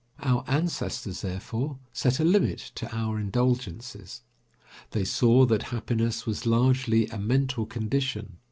Our ancestors, therefore, set a limit to our indulgences. They saw that happiness was largely a mental condition.